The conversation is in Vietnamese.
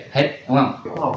hết đúng không